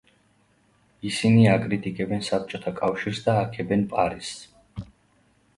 ისინი აკრიტიკებენ საბჭოთა კავშირს და აქებენ პარიზს.